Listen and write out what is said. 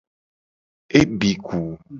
E di ku.